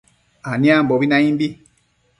aniambobi naimbi